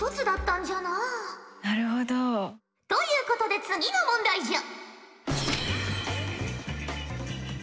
なるほど。ということで次の問題じゃ。